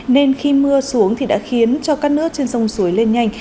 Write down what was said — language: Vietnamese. nên khi mưa xuống thì đã khiến cho các nước trên sông suối lên nhanh